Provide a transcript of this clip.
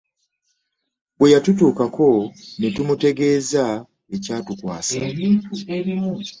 Bwe yatutuukako ne tumutegeeza ekyatukwasa.